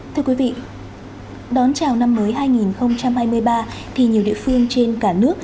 thưa quý vị đón chào năm mới hai nghìn hai mươi ba thì nhiều địa phương trên cả nước